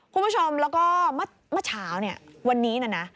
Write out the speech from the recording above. คุณผู้ชมแล้วก็เมื่อเช้าเนี่ยวันนี้นะนะ